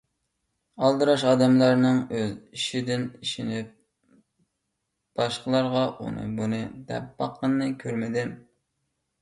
ئالدىراش ئادەملەرنىڭ ئۆز ئىشىدىن ئېشىنىپ باشقىلارغا ئۇنى بۇنى دەپ باققىنىنى كۆرمىدىم.